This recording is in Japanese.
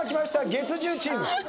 月１０チーム。